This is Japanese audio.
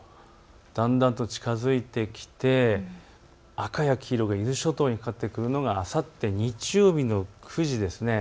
だんだんと近づいてきて赤や黄色が伊豆諸島にかかってくるのがあさって日曜日の９時です。